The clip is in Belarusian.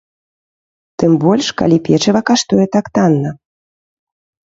Тым больш калі печыва каштуе так танна.